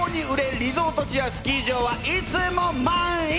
リゾート地やスキー場はいつも満員！